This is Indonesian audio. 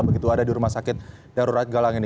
begitu ada di rumah sakit darurat galang ini